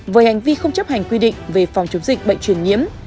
với hành vi không chấp hành quy định về phòng chống dịch bệnh truyền nhiễm